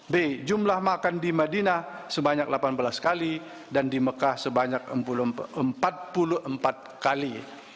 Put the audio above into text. b jumlah makan di madinah sebanyak delapan belas kali dan di mekah sebanyak empat puluh empat kali